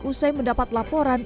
usai mendapat laporan